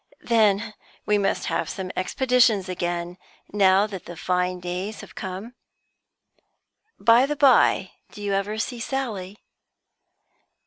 "Then we must have some expeditions again, now that the fine days have come. By the by, do you ever see Sally?"